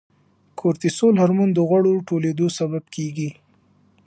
کورتیسول هورمون د غوړو ټولېدو سبب کیږي.